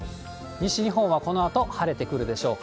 西日本はこのあと晴れてくるでしょう。